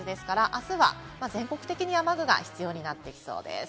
あすは全国的に雨具が必要になってきそうです。